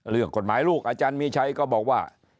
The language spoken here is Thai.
เรื่องกฎหมายลูกอาจารย์มีชัยก็บอกว่า